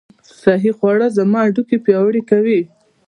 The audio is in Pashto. صحي خواړه زما هډوکي پیاوړي کوي.